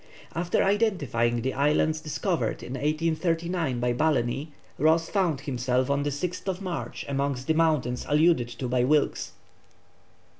After identifying the islands discovered in 1839 by Balleny, Ross found himself on the 6th March amongst the mountains alluded to by Wilkes.